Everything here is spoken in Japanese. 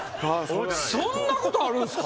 そんなことあるんすか？